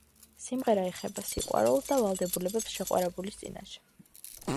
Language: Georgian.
სიმღერა ეხება სიყვარულს და ვალდებულებებს შეყვარებულის წინაშე.